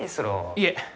いえ。